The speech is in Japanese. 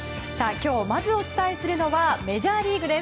今日、まずお伝えするのはメジャーリーグです。